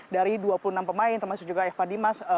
dari dua puluh enam pemain termasuk juga eva dimas